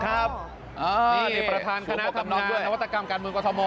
ครับนี่ประธานคณะธรรมนานวัตกรรมการมืนกับทม